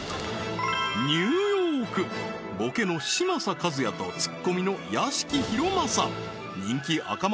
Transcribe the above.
ニューヨークボケの嶋佐和也とツッコミの屋敷裕政人気赤丸